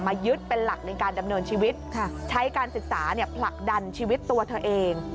ยึดเป็นหลักในการดำเนินชีวิตใช้การศึกษาผลักดันชีวิตตัวเธอเอง